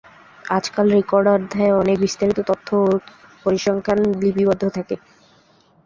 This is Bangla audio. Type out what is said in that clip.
আজকাল রেকর্ড অধ্যায়ে অনেক বিস্তারিত তথ্য ও পরিসংখ্যান লিপিবদ্ধ থাকে।